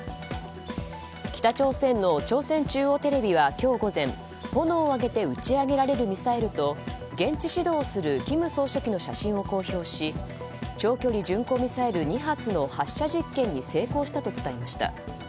北朝鮮の朝鮮中央テレビは今日午前炎を上げて打ち上げられるミサイルと現地指導をする金総書記の写真を公表し長距離巡航ミサイル２発の発射実験に成功したと伝えました。